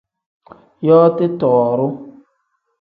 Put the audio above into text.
Yooti tooru.